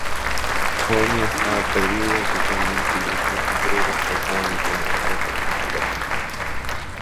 Jonia estaba perdida totalmente, y los jefes griegos trataron de congraciarse con los persas.